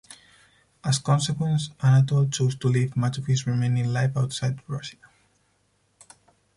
As consequence, Anatole chose to live much of his remaining life outside Russia.